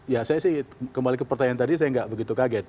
ya saya sih kembali ke pertanyaan tadi saya nggak begitu kaget